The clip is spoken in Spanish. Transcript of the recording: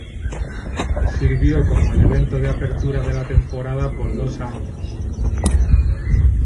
Sirvió como el evento de apertura de la temporada por dos años.